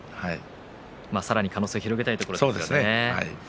さらに可能性を広げたいところですね。